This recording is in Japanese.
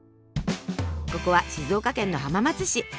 ここは静岡県の浜松市。